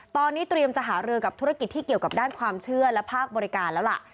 ตอนนี้เตรียมจะหารือกับธุรกิจที่เกี่ยวกับด้านความเชื่อและภาคบริการแล้วล่ะ